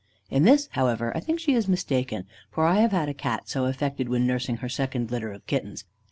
In this, however, I think she is mistaken, for I have had a Cat so affected when nursing her second litter of Kittens.